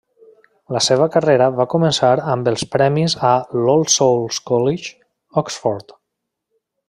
La seva carrera va començar amb els premis a l'All Souls College, Oxford.